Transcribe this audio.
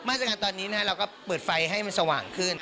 มาจากนั้นตอนนี้นะครับเราก็เปิดไฟให้มันสว่างขึ้น